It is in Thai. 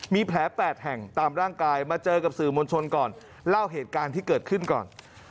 มีแผล๘แห่งตามร่างกายมาเจอกับสื่อมวลชนก่อนเล่าเหตุการณ์ที่เกิดขึ้นก่อน